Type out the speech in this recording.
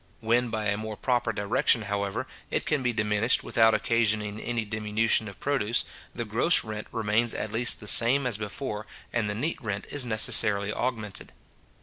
When by a more proper direction, however, it can be diminished without occasioning any diminution of produce, the gross rent remains at least the same as before, and the neat rent is necessarily augmented.